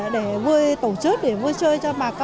để vui tổ chức để vui chơi